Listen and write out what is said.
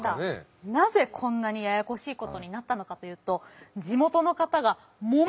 なぜこんなにややこしいことになったのかというと地元の方がモメにモメた結果。